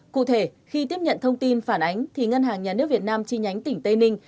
cụ thể khi tiếp nhận thông tin phản ánh thì ngân hàng nhà nước việt nam chi nhánh tỉnh tây ninh